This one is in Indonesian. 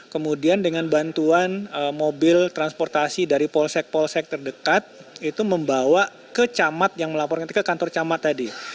kemudian dengan bantuan mobil transportasi dari polsek polsek terdekat itu membawa ke camat yang melaporkan ke kantor camat tadi